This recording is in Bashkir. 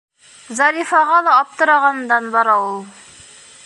Зарифаға ла аптырағандан бара ул...